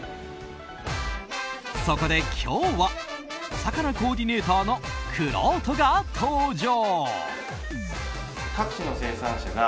そこで今日はおさかなコーディネーターのくろうとが登場。